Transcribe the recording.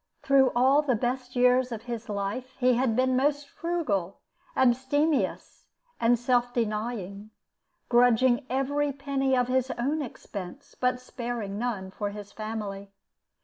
Through all the best years of his life he had been most frugal, abstemious, and self denying, grudging every penny of his own expense, but sparing none for his family.